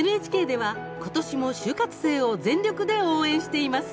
ＮＨＫではことしも就活生を全力で応援しています。